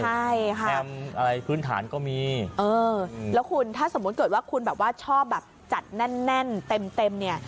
ใช่ค่ะแมมอะไรพื้นฐานก็มีเออแล้วคุณถ้าสมมุติเกิดว่าคุณแบบว่าชอบแบบจัดแน่นเต็มเต็มเนี่ย